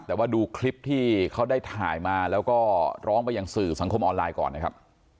แต่ว่าดูคลิปที่เขาได้ถ่ายมาแล้วก็ร้องไปยังสื่อสังคมออนไลน์ก่อนนะครับ